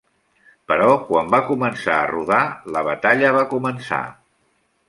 Però quan van començar a rodar, la batalla va començar.